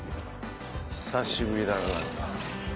久しぶりだな何か。